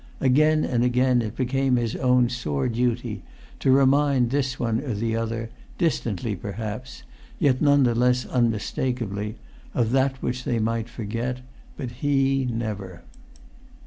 Again and again it became his own sore duty to remind this one or the other, distantly perhaps, yet none the less unmistakably, of that which they might forget, but he never.